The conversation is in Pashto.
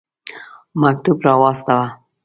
مکتوب را واستاوه.